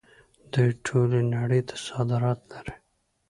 دوی ټولې نړۍ ته صادرات لري.